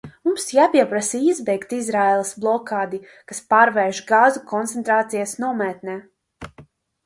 Mums jāpieprasa izbeigt Izraēlas blokādi, kas pārvērš Gazu koncentrācijas nometnē.